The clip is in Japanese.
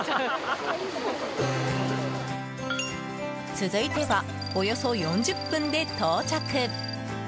続いてはおよそ４０分で到着。